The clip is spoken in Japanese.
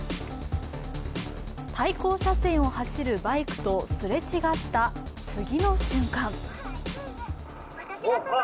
対向車線を走るバイクとすれ違った次の瞬間。